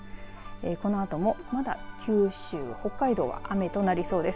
このあとも、まだ九州、北海道は雨となりそうです。